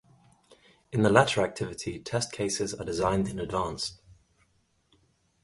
In the latter activity test cases are designed in advance.